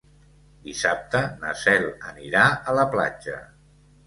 Dissabte na Cel anirà a la platja.